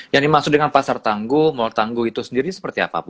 yang dimaksud dengan pasar tangguh mall tangguh itu sendiri seperti apa bu